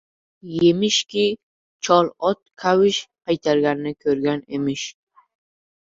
Yemishki, chol ot kavsh qaytarganini ko‘rgan emish...